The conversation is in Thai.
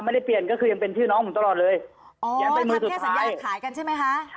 ไม่ได้เปลี่ยนละคือยังเป็นชื่อน้องเดินตลอดเลยอย่างเป็นมือสุดท้ายอ๋อทำแค่สัญญาค่ายกันใช่ไม่คะ